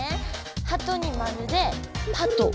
ハトに丸で「パト」。